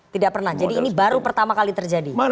tidak pernah jadi ini baru pertama kali terjadi